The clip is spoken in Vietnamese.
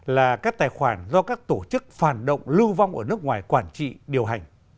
là các tài khoản do các tổ chức phản động lưu vong ở nước ngoài quản trị điều hành